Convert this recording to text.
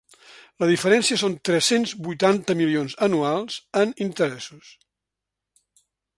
La diferència són tres-cents vuitanta milions anuals en interessos.